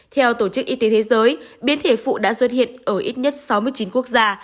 theo tổ chức y tế thế giới biến thể phụ đã xuất hiện ở ít nhất sáu mươi chín quốc gia